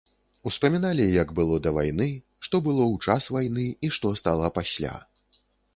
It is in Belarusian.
Успаміналі, як было да вайны, што было ў час вайны і што стала пасля.